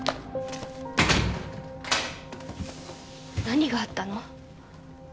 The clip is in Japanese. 何があったの？